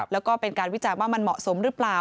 แล้วก็เป็นการวิจารณ์ว่ามันเหมาะสมหรือเปล่า